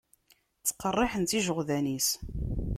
Ttqerriḥen-tt ijeɣdanen-is.